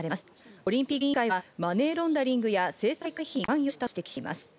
オリンピック委員会はマネーロンダリングや制裁回避に関与したと指摘しています。